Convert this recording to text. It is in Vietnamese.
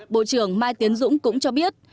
bộ trưởng mai tiến dũng cũng cho biết